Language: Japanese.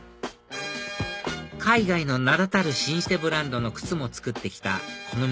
海外の名だたる老舗ブランドの靴も作ってきたこの道